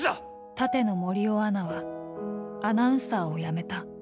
館野守男アナはアナウンサーを辞めた。